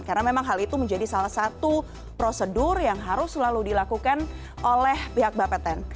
karena memang hal itu menjadi salah satu prosedur yang harus selalu dilakukan oleh pihak bapak ten